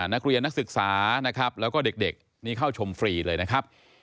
นักเรียนนักศึกษานะครับแล้วก็เด็กนี่เข้าชมฟรีเลยนะครับ